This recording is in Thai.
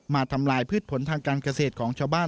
ทำลายพืชผลทางการเกษตรของชาวบ้าน